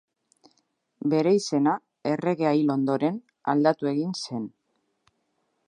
Bere izena, erregea hil ondoren, aldatu egin zen.